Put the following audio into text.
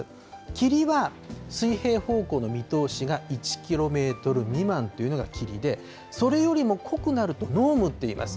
霧は水平方向の見通しが１キロメートル未満というのが霧で、それよりも濃くなると濃霧っていいます。